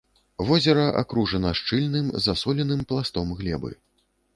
Возера акружана шчыльным засоленым пластом глебы.